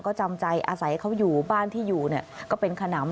ก็จำใจอาศัยเขาอยู่บ้านที่อยู่เนี่ยก็เป็นขนำ